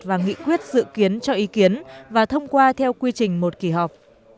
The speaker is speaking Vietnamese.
và nghị quyết dự kiến cho ý kiến và thông qua theo quy trình một kỳ họp